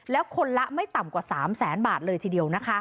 แล้วคนละไม่ต่ำกว่า๓แสนบาทเลยทีเดียวนะคะ